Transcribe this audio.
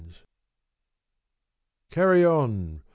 V CARRY on